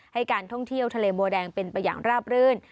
ให้การท่องเที่ยวทะเลบัวแดงเป็นไปอย่างราบรื่น